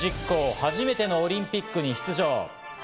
初めてのオリンピックに出場。